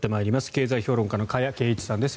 経済評論家の加谷珪一さんです。